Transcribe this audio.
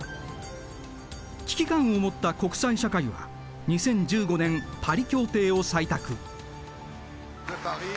危機感を持った国際社会は２０１５年パリ協定を採択。